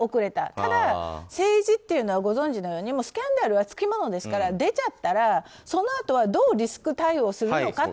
ただ、政治というのはご存知のようにスキャンダルがつきものですから出ちゃったらそのあとはどうリスク対応をするのかと。